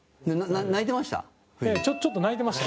中居：泣いてました？